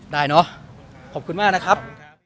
ได้เนอะขอบคุณมากนะครับ